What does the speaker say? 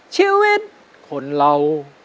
ชีวิตคนเรา